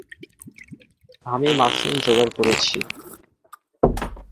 আমি মাশরুম যোগাড় করেছি।